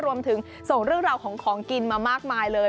ส่งเรื่องราวของของกินมามากมายเลย